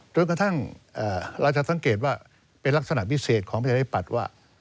จนกระทั่งเราจะสังเกตว่าเป็นลักษณะพิเศษของประชาธิปัตย์ว่า